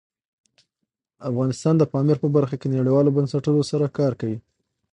افغانستان د پامیر په برخه کې نړیوالو بنسټونو سره کار کوي.